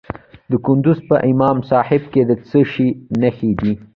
د کندز په امام صاحب کې د څه شي نښې دي؟